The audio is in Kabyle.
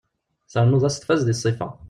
Ternuḍ-as tfaz deg ssifa.